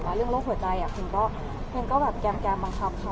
ด้วยกับเรื่องร่วงธรรมถึงแก็บบังคับเขา